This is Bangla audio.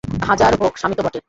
হাজার হউক, স্বামী তো বটে।